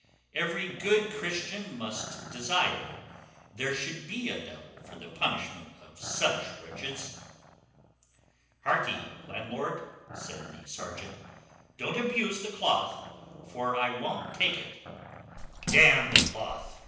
Every good Christian must desire there should be a devil for the punishment of such wretches." "Harkee, landlord," said the serjeant, "don't abuse the cloth, for I won't take it." "D n the cloth!"